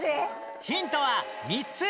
ヒントは３つ